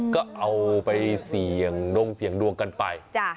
ก็เอาไปเสี่ยงดวงกันไป